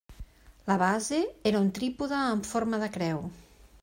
La base era un trípode amb forma de creu.